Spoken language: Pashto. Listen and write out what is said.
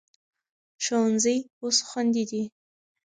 ښوونځي اوس خوندي دي.